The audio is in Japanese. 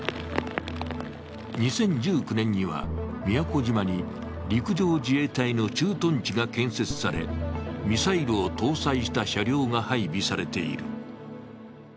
２０１９年には、宮古島に陸上自衛隊の駐屯地が建設され、ミサイルを搭載した車両が配備されている。